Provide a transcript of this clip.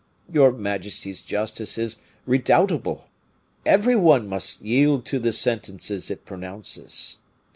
Your majesty's justice is redoubtable; every one must yield to the sentences it pronounces.